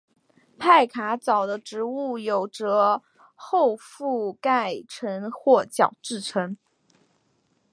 派卡藻的植物体有着厚覆盖层或角质层。